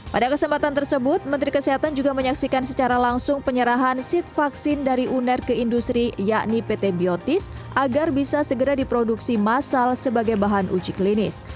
pada kesempatan tersebut menteri kesehatan juga menyaksikan secara langsung penyerahan sit vaksin dari uner ke industri yakni pt biotis agar bisa segera diproduksi massal sebagai bahan uji klinis